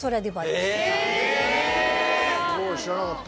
知らなかった。